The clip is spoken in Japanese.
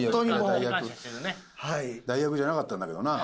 代役じゃなかったんだけどな。